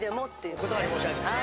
お断り申し上げます。